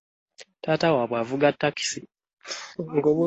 Taata waabwe avuga takisi.